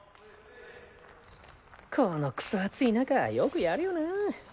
このクソ暑い中よくやるよなぁ。